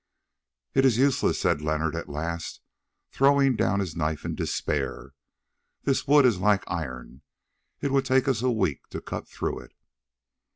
"It is useless," said Leonard at last, throwing down his knife in despair; "this wood is like iron, it would take us a week to cut through it."